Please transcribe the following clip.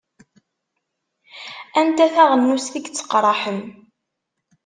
Anta taɣennust i yetteqṛaḥen?